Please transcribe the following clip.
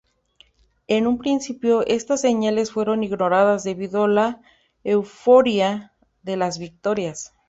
En un principio, estas señales fueron ignoradas debido a la euforia de las victorias.